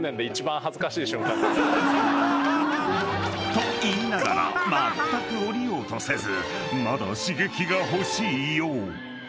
［と言いながらまったく降りようとせずまだ刺激が欲しいよう］